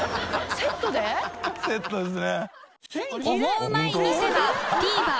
セットですね。